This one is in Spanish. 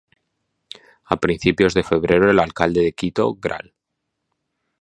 A principios de febrero el Alcalde de Quito, Gral.